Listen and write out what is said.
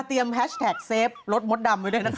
เตรียมแฮชแท็กเซฟลดมดดำไว้ด้วยนะครับ